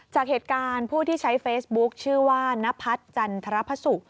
จากเหตุการณ์ผู้ที่ใช้เฟซบุ๊คชื่อว่านพัฒน์จันทรพศุกร์